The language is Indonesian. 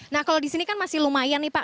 nah kalau di sini kan masih lumayan nih pak